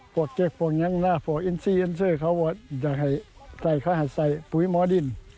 แต่ถ้าเขาใส่ปุ๋ยหมอดิน